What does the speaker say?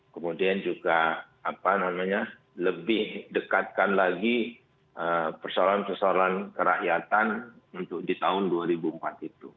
kemudian juga apa namanya lebih dekatkan lagi persoalan persoalan kerakyatan untuk di tahun dua ribu empat itu